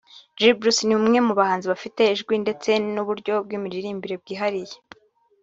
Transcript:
G-Bruce ni umwe mu bahanzi bafite ijwi ndetse n'uburyo bw'imiririmbire bwihariye